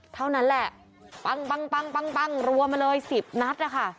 เท่านั้นแหละปังรวมมาเลยสิบนัทค่ะ